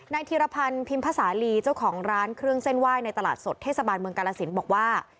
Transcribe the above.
ธีรพันธ์พิมพสาลีเจ้าของร้านเครื่องเส้นไหว้ในตลาดสดเทศบาลเมืองกาลสินบอกว่า